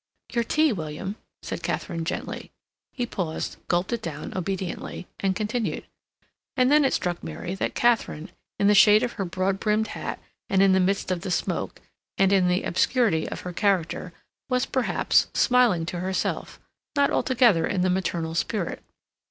"Your tea, William," said Katharine gently. He paused, gulped it down, obediently, and continued. And then it struck Mary that Katharine, in the shade of her broad brimmed hat, and in the midst of the smoke, and in the obscurity of her character, was, perhaps, smiling to herself, not altogether in the maternal spirit.